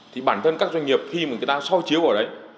thì bản thân các doanh nghiệp khi mà người ta soi chiếu vào đấy